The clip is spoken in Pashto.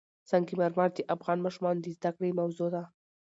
سنگ مرمر د افغان ماشومانو د زده کړې موضوع ده.